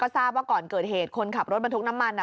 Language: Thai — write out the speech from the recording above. ทราบว่าก่อนเกิดเหตุคนขับรถบรรทุกน้ำมัน